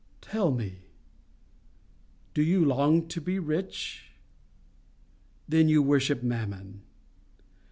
Tell me, do you long to be rich? Then you worship Mammon.